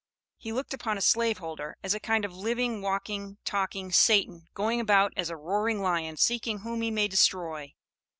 He looked upon a slave holder as a kind of a living, walking, talking "Satan, going about as a roaring lion seeking whom he may destroy."